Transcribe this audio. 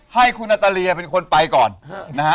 ให้คุณนาตาเลียเป็นคนไปก่อนนะฮะ